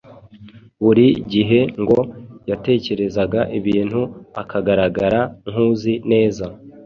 Buri gihe ngo yatekerezaga ibintu akagaragara nk’uzi neza